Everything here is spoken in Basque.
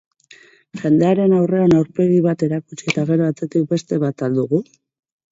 Jendearen aurrean aurpegi bat erakutsi eta gero atzetik beste bat al dugu?